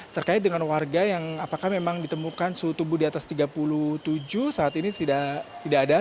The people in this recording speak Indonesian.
terkait dengan warga yang apakah memang ditemukan suhu tubuh di atas tiga puluh tujuh saat ini tidak ada